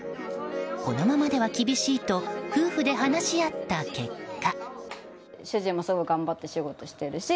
このままでは厳しいと夫婦で話し合った結果。